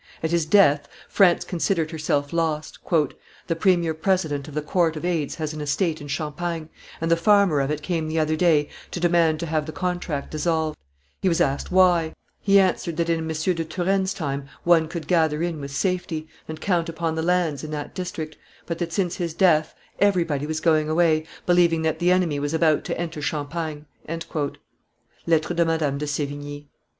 At his death, France considered herself lost. "The premier president of the court of aids has an estate in Champagne, and the farmer of it came the other day to demand to have the contract dissolved; he was asked why: he answered that in M. de Turenne's time one could gather in with safety, and count upon the lands in that district, but that, since his death, everybody was going away, believing that the enemy was about to enter Champagne." [Lettres de Madame de Sevigne.